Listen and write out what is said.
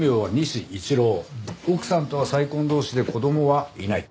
奥さんとは再婚同士で子供はいない。